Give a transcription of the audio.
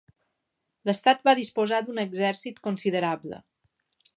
L'estat va disposar d'un exèrcit considerable.